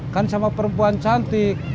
kan sama perempuan cantik